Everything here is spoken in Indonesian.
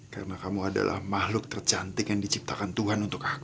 karena kamu adalah makhluk tercantik yang diciptakan tuhan untuk aku